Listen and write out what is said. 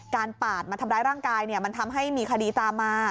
ปาดมาทำร้ายร่างกายมันทำให้มีคดีตามมา